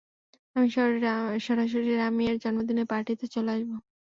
আমি সরাসরি রামিয়ার জন্মদিনের পার্টিতে চলে আসব।